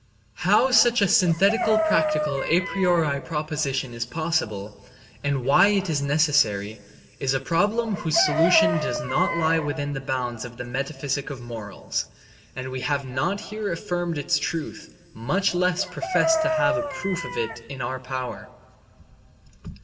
How such a synthetical practical a priori proposition is possible, and why it is necessary, is a problem whose solution does not lie within the bounds of the metaphysic of morals; and we have not here affirmed its truth, much less professed to have a proof of it in our power.